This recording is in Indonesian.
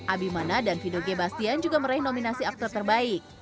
abimana dan vido g bastian juga meraih nominasi aktor terbaik